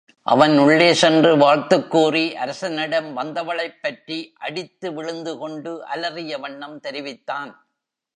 அவன் உள்ளே சென்று வாழ்த்துக் கூறி அரசனிடம் வந்தவளைப்பற்றி அடித்து விழுந்து கொண்டு அலறிய வண்ணம் தெரிவித்தான்.